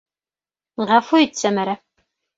- Ғәфү ит, Сәмәрә...